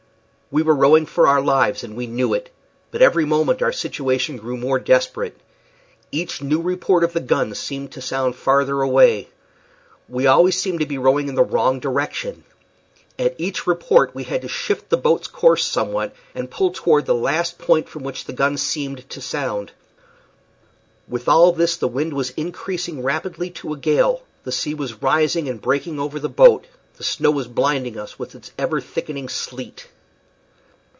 We were rowing for our lives, and we knew it; but every moment our situation grew more desperate. Each new report of the gun seemed to sound farther away. We seemed always to be rowing in the wrong direction. At each report we had to shift the boat's course somewhat, and pull toward the last point from which the gun seemed to sound. With all this the wind was increasing rapidly to a gale, the sea was rising and breaking over the boat, the snow was blinding us with its ever thickening sleet.